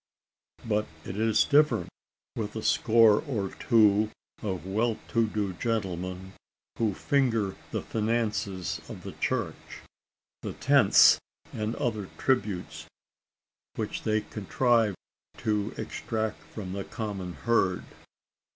But it is different with the score or two of well to do gentlemen who finger the finances of the church the tenths and other tributes which they contrive to extract from the common herd.